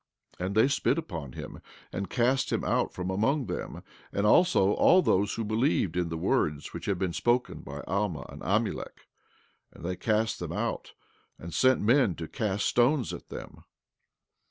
And they spit upon him, and cast him out from among them, and also all those who believed in the words which had been spoken by Alma and Amulek; and they cast them out, and sent men to cast stones at them.